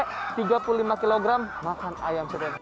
tiga puluh lima kilogram makan ayam sebanyak ini